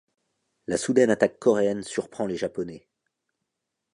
La soudaine attaque coréenne surprend les Japonais.